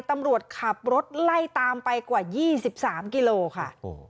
ตำรวจขับรถไล่ตามไปกว่า๒๓กิโลค่ะ